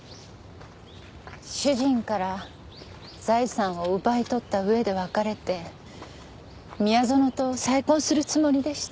主人から財産を奪い取ったうえで別れて宮園と再婚するつもりでした。